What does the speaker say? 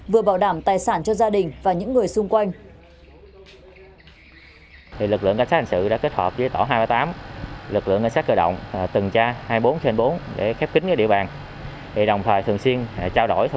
vừa bảo đảm tài sản cho gia đình và những người xung quanh